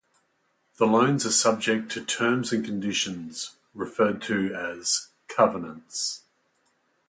The loans are subject to terms and conditions, referred to as "covenants".